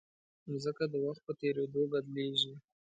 مځکه د وخت په تېرېدو بدلېږي.